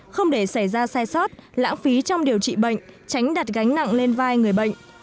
không để xảy ra sai sót lãng phí trong điều trị bệnh tránh đặt gánh nặng lên vai người bệnh